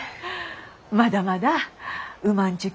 まだまだうまんちゅ